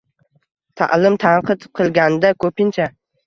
Ta’lim tanqid qilinganda ko‘pincha